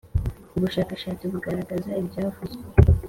Ubushakashatsi bugaragaza ibyavuzwe